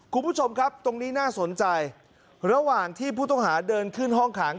คุณผู้ชมครับตรงนี้น่าสนใจระหว่างที่ผู้ต้องหาเดินขึ้นห้องขัง